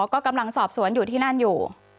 ก็กำลังสอบสวนอยู่ที่นั่นอยู่